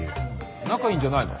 仲いいんじゃないの？